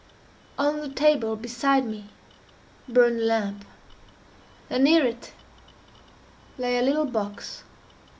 _" On the table beside me burned a lamp, and near it lay a little box.